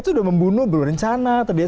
sudah membunuh berencana